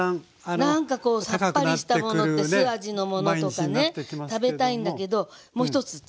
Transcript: そうなんかこうさっぱりしたものって酢味のものとかね食べたいんだけどもう一つ知恵。